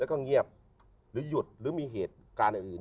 แล้วก็เงียบหรือหยุดหรือมีเหตุการณ์อื่น